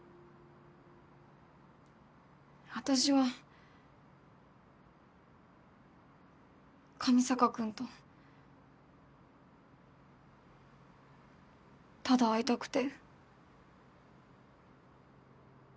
私は上坂君とただ会いたくて。